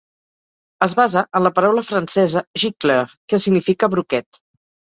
Es basa en la paraula francesa "gicleur", que significa "broquet".